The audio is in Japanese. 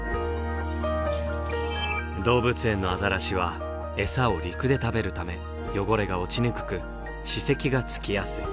動物園のアザラシはエサを陸で食べるため汚れが落ちにくく歯石がつきやすい。